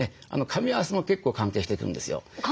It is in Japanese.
かみ合わせも結構関係してくるんですよ。